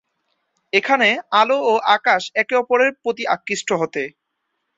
এখানে, আলো ও আকাশ একে অপরের প্রতি আকৃষ্ট হতে।